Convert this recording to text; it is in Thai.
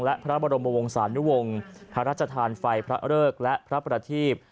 และพระบรมวงศานุวงศ์พระราชทานไฟพระเริกและพระประทีพ